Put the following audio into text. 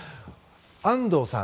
安藤さん